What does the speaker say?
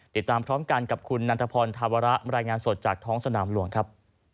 ติดตามพร้อมกันกับคุณนันทพรธาวระรายงานสดจากท้องสนามหลวงครับ